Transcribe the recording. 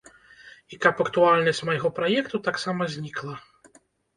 І каб актуальнасць майго праекту таксама знікла.